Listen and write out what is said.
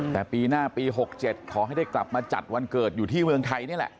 แต่ปีหน้าปี๖๗ขอให้ได้กลับมาจัดวันเกิดอยู่ที่เมืองไทยนี่แหละ